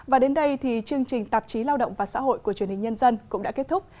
và đến đây thì chương trình tạp chí lao động và xã hội của truyền hình nhân dân cũng đã kết thúc